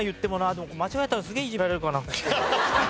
でも間違えたらすげえいじられるからな。